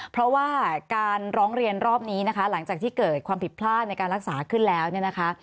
เพราะว่าการร้องเรียนรอบนี้นะคะหลังจากที่เกิดความผิดพลาดในการรักษาขึ้นแล้วเนี่ยนะคะ